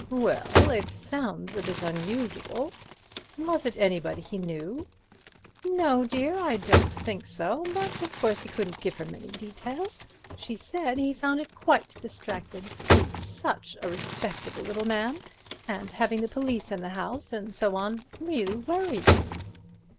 "Well, it sounds a bit unusual. Was it anybody he knew?" "No, dear, I don't think so, but, of course, he couldn't give her many details. She said he sounded quite distracted. He's such a respectable little man—and having the police in the house and so on, really worried him."